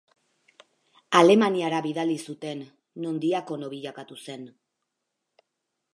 Alemaniara bidali zuten non diakono bilakatu zen.